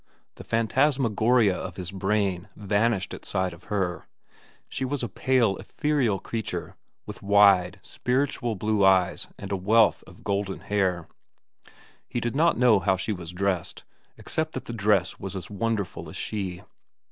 The phantasmagoria of his brain vanished at sight of her. She was a pale, ethereal creature, with wide, spiritual blue eyes and a wealth of golden hair. He did not know how she was dressed, except that the dress was as wonderful as she.